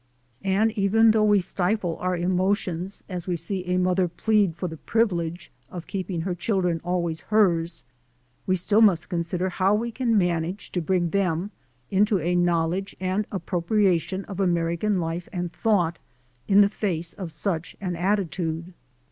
And even though we stifle our emotions as we see a mother plead for the privilege of keeping her children always hers, we still must consider how we can manage to bring them into a knowledge and STILL MORE OBSTACLES 255 appropriation of American life and thought in the face of such an attitude.